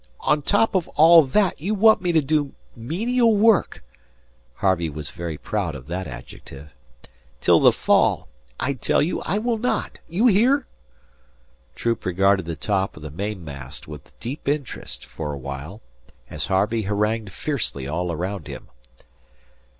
On top of all that, you want me to do menial work" Harvey was very proud of that adjective "till the Fall. I tell you I will not. You hear?" Troop regarded the top of the mainmast with deep interest for a while, as Harvey harangued fiercely all around him.